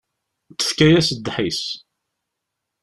Tefka-yas ddḥis.